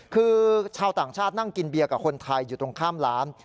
คือชาวต่างชาตินั่งกินเบียร์กับคนไทยอยู่ตรงข้ามร้าน